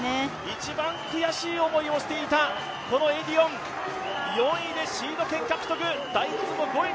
一番悔しい思いをしていたエディオン、４位でシード権獲得。